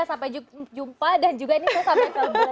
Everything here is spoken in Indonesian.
sampai jumpa dan juga ini saya sampai kembali lagi